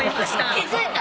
気付いた？